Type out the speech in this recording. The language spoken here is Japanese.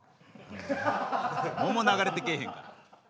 桃流れてけえへんから。